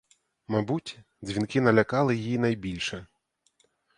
Мабуть, дзвінки налякали її найбільше.